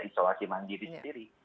isolasi mandiri sendiri